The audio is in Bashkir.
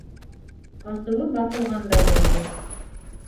Асыуы баҫылғандай булды.